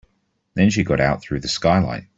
Then she got out through the skylight.